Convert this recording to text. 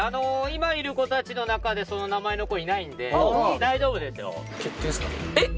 今いる子たちの中でその名前の子いないんでえっ？